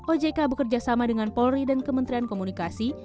ojk bekerja sama dengan polri dan kementerian komunikasi